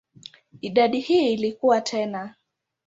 Idadi hii ilikua tena.